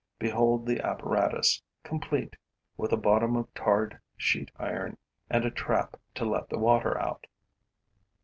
Behold the apparatus, complete, with a bottom of tarred sheet iron and a trap to let the water out.